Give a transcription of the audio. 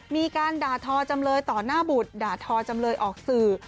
มีการด่าทอจำเลยต่อหน้าบุตรด่าทอจำเลยออกสื่อ